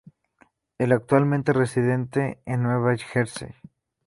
Él actualmente reside en Nueva Jersey.